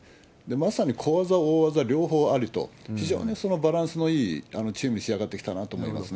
まさに小技、大技、両方ありと、非常にバランスのいいチームに仕上がってきたなと思いますね。